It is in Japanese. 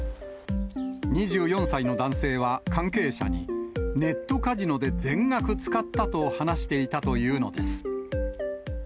２４歳の男性は、関係者に、ネットカジノで全額使ったと話していたというのです。